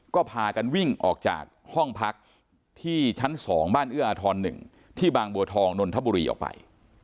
ก็พากันวิ่งออกจากห้องพักที่ชั้น๒บ้านเอื้ออาทร๑ที่บางบัวทองนนทบุรีออกไป